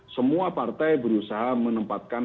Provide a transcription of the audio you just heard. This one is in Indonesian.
semua partai berusaha menempatkan